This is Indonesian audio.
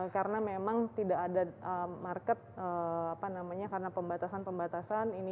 karena memang tidak ada market apa namanya karena pembatasan pembatasan ini